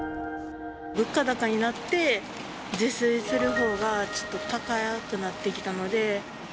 物価高になって、自炊するほうが、ちょっと高くなってきたので。